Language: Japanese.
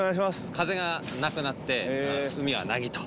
風がなくなって海は凪と。